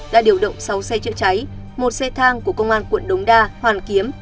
đã điều động sáu xe chữa cháy một xe thang của công an quận đống đa hoàn kiếm